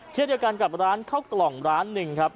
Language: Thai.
เช่นเดียวกันกับร้านข้าวกล่องร้านหนึ่งครับ